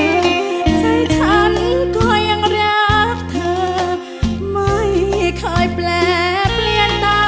ใจฉันก็ยังรักเธอไม่เคยแปลเปลี่ยนตา